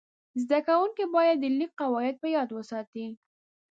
زده کوونکي باید د لیک قواعد په یاد وساتي.